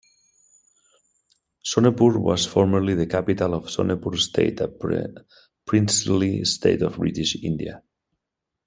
Sonepur was formerly the capital of Sonepur State, a princely state of British India.